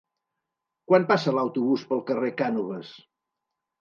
Quan passa l'autobús pel carrer Cànoves?